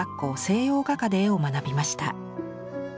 西洋画科で絵を学びました。